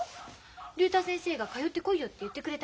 竜太先生が「通ってこいよ」って言ってくれたの。